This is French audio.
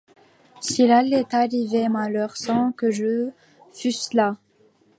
S’il allait t’arriver malheur sans que je fusse là!